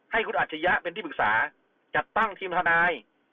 ให้คุณอัจฉริยะเป็นที่ปรึกษาจัดตั้งทีมทนาย